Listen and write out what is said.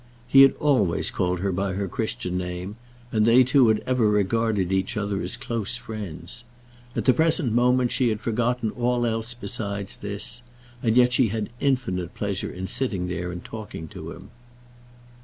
He had always called her by her Christian name, and they two had ever regarded each other as close friends. At the present moment she had forgotten all else besides this, and yet she had infinite pleasure in sitting there and talking to him.